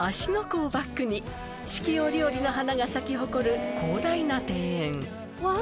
湖をバックに四季折々の花が咲き誇る広大な庭園うわ！